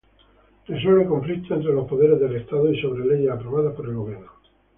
Resuelve conflictos entre los poderes del Estado y sobre leyes aprobadas por el Gobierno.